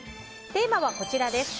テーマはこちらです。